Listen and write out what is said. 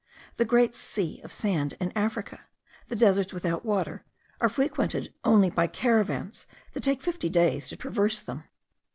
The great sea of sand in Africa, the deserts without water, are frequented only by caravans, that take fifty days to traverse them.